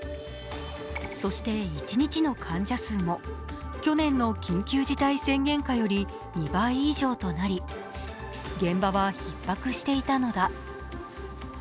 そして、一日の患者数も去年の緊急事態宣言下より２倍以上となり現場はひっ迫していたのだ。